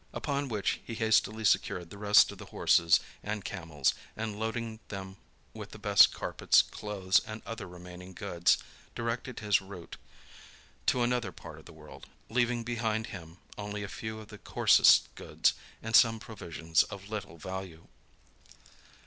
Upon which he hastily secured the rest of the horses and camels, and loading them with the best carpets, clothes, and other remaining goods, directed his route to another part of the world, leaving behind him, only a few of the coarsest goods, and some provisions of little value.